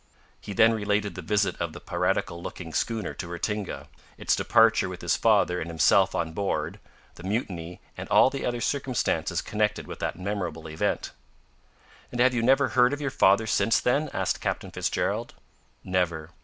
He then related the visit of the piratical looking schooner to Ratinga; its departure with his father and himself on board; the mutiny, and all the other circumstances connected with that memorable event. "And have you never heard of your father since then?" asked Captain Fitzgerald. "Never.